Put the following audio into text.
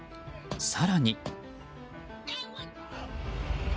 更に。